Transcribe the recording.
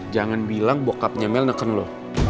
jangan bilang bokapnya mel neken lo